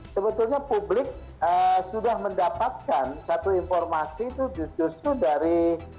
sebetulnya publik sudah mendapatkan satu informasi itu justru dari